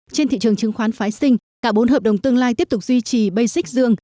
trên thị trường chứng khoán phái sinh cả bốn hợp đồng tương lai tiếp tục duy trì becic dương